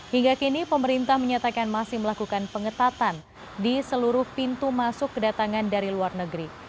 hingga kini pemerintah menyatakan masih melakukan pengetatan di seluruh pintu masuk kedatangan dari luar negeri